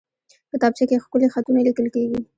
کتابچه کې ښکلي خطونه لیکل کېږي